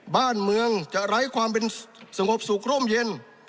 บ้านเมืองจะไร้ความเป็นสงบสุขร่มเย็น